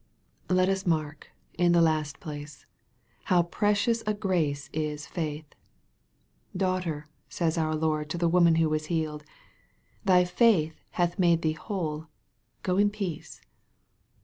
Let us mark, in the last place, how precious a grace is faith. " Daughter," says our Lord to the woman who was healed, " thy faith hath made thee whole : go in peace."